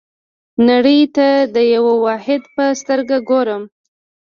نړۍ ته د یوه واحد په سترګه ګورم.